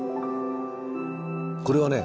これはね